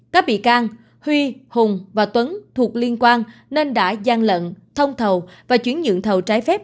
các bị can huy hùng và tuấn thuộc liên quan nên đã gian lận thông thầu và chuyển nhượng thầu trái phép